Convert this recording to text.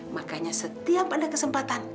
makanya setiap ada kesempatan